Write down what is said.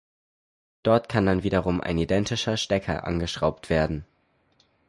Dort kann dann wiederum ein identischer Stecker angeschraubt werden.